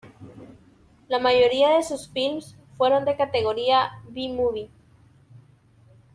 La mayoría de sus films fueron de categoría "B movie".